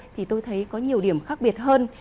thì tôi thấy có nhiều điểm khác biệt hơn